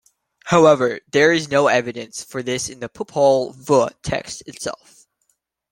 However, there is no evidence for this in the Popol Vuh text itself.